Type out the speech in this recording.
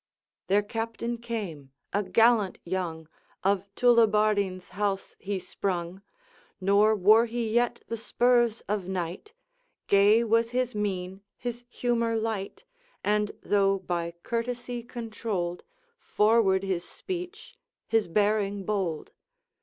Their Captain came, a gallant young, Of Tullibardine's house he sprung, Nor wore he yet the spurs of knight; Gay was his mien, his humor light And, though by courtesy controlled, Forward his speech, his bearing bold.